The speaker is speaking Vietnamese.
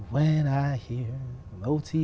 bên bên tôi